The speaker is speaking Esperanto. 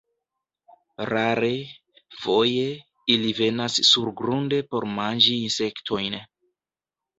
Rare, foje, ili venas surgrunde por manĝi insektojn.